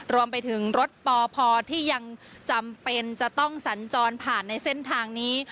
รวมไปถึงรถปพที่ยังจำเป็นจะต้องสัญจรผ่านในเส้นทางนี้